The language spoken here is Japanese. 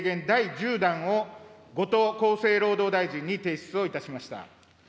第１０弾を後藤厚生労働大臣に提出をいたしました。